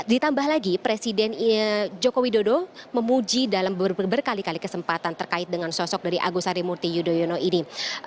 ditambah lagi presiden joko widodo memuji dalam berkali kali kesempatan terkait dengan sosok dari agus harimurti yudhoyono ini